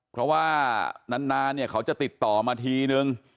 เพราะว่านานเนี่ยเขาจะติดต่อมาทีนึง